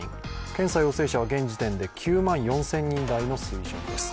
検査陽性者は現時点で９万４０００人台の数字です。